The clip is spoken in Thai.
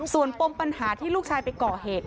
ส่วนปมปัญหาที่ลูกชายไปก่อเหตุ